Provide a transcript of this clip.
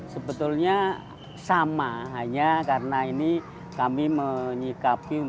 sebetulnya sama hanya karena ini kami menyikapi